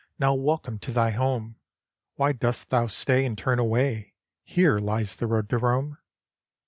Now welcome to thy home ! Why dost thou stay, and turn away? Here lies the road to Rome."